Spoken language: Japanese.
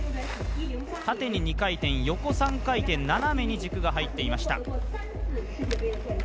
縦に２回、横３回転斜めに軸が入っていました。